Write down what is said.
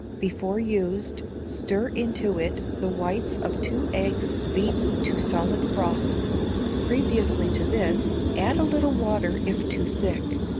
Before used, stir into it the whites of two eggs beaten to solid froth; previously to this, add a little water if too thick.